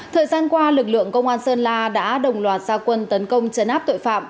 thời gian qua lực lượng công an sơn la đã đồng loạt gia quân tấn công chấn áp tội phạm